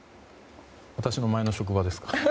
私の前の職場ですか？